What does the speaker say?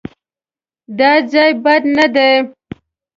_دا ځای بد نه دی.